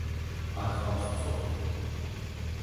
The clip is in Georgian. არ ჰყავს ცოლი.